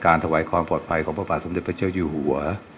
ถวายความปลอดภัยของพระบาทสมเด็จพระเจ้าอยู่หัว